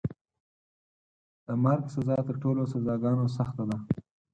د مرګ سزا تر ټولو سزاګانو سخته ده.